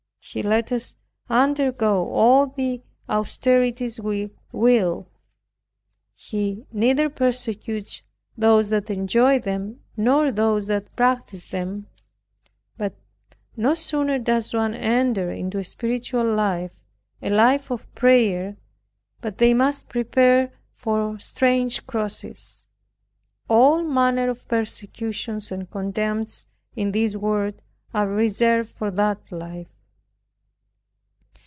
He lets us undergo all the austerities we will. He neither persecutes those that enjoy them nor those that practice them. But no sooner does one enter into a spiritual life, a life of prayer, but they must prepare for strange crosses. All manner of persecutions and contempts in this world are reserved for that life.